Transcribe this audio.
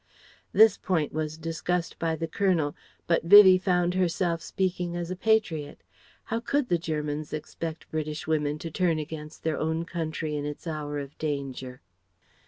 This point was discussed by the Colonel, but Vivie found herself speaking as a patriot. How could the Germans expect British women to turn against their own country in its hour of danger?